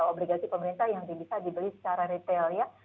obligasi pemerintah yang bisa dibeli secara retail ya